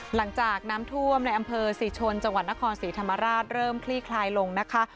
หลังจากน้ำท่วมในอำเภอศรีชนจังหวัดนครศรีธรรมราชเริ่มคลี่คลายลงนะคะ